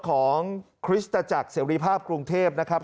คริสตจักรเสรีภาพกรุงเทพนะครับ